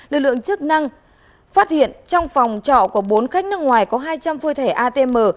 lực lượng chức năng phát hiện trong phòng trọ của bốn khách nước ngoài có hai trăm linh phôi thẻ atm